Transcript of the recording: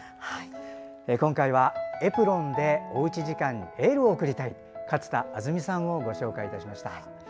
今回はエプロンでおうち時間にエールを送りたい勝田亜純さんをご紹介しました。